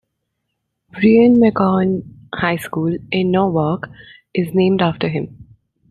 Brien McMahon High School, in Norwalk, is named after him.